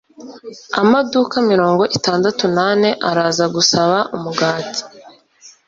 Amaduka mirongo itandatu nane araza gusaba umugati.